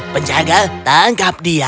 penjaga tangkap dia